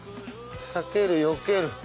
避けるよける。